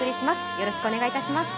よろしくお願いします。